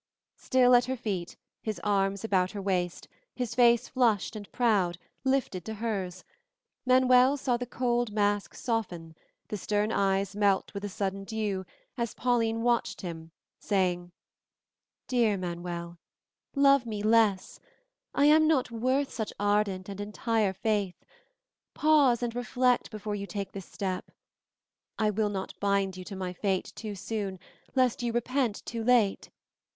Still at her feet, his arms about her waist, his face flushed and proud, lifted to hers, Manuel saw the cold mask soften, the stern eyes melt with a sudden dew as Pauline watched him, saying, "Dear Manuel, love me less; I am not worth such ardent and entire faith. Pause and reflect before you take this step. I will not bind you to my fate too soon lest you repent too late.